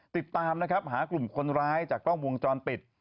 ติดตามนะครับหากลุ่มคนร้ายจากกล้องวงจรปิด